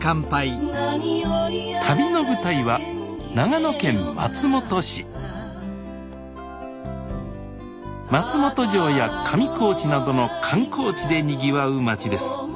旅の舞台は松本城や上高地などの観光地でにぎわう町です